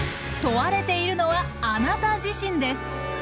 問われているのはあなた自身です。